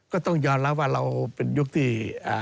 ก็ต้องยอมรับว่าเราเป็นยุคที่